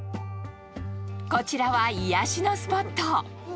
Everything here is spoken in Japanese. こちらは癒やしのスポット。